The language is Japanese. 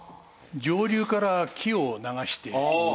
上流から木を流して。